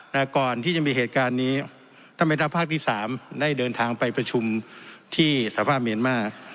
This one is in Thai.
แต่ก่อนที่จะมีเหตุการณ์นี้ท่านแม่ทัพภาคที่สามได้เดินทางไปประชุมที่สภาพเมียนมาร์